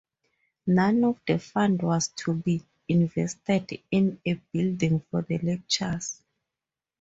None of the fund was to be invested in a building for the lectures.